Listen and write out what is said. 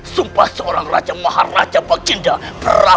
sumpah seorang raja maharaja yang berkendara